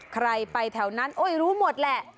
ใครไปแถวนั้นโอ้ยรู้หมดแหละ